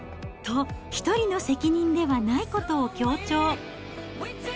と、１人の責任ではないことを強調。